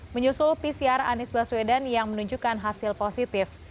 menyusul pcr anies baswedan yang menunjukkan hasil positif